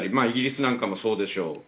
イギリスなんかもそうでしょう。